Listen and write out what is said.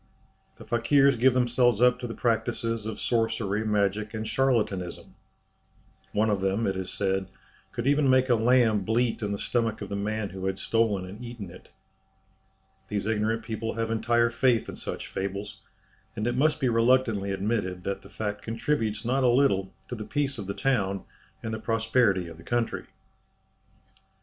The Fakirs give themselves up to the practices of sorcery, magic, and charlatanism. One of them, it is said, could even make a lamb bleat in the stomach of the man who had stolen and eaten it! These ignorant people have entire faith in such fables, and it must be reluctantly admitted that the fact contributes not a little to the peace of the town and the prosperity of the country.